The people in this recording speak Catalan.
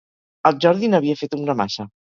El Jordi n'havia fet un gra massa.